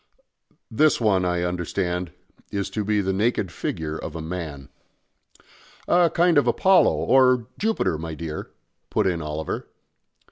"This one, I understand, is to be the naked figure of a man." "A kind of Apollo or Jupiter, my dear," put in Oliver.